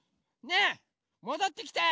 ねえもどってきて！